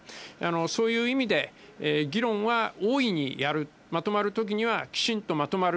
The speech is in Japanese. そういう意味で、議論は大いにやる、まとまるときにはきちんとまとまる、